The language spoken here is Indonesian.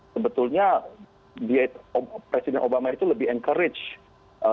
sebetulnya presiden obama itu lebih encourage